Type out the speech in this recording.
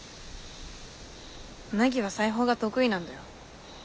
ナギは裁縫が得意なんだよ。